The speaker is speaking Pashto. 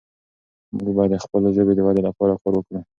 موږ باید د خپلې ژبې د ودې لپاره کار وکړو.